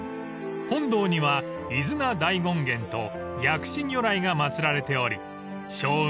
［本堂には飯縄大権現と薬師如来が祭られており勝運